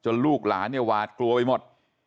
จนลูกหลานวาดกลัวไปหมด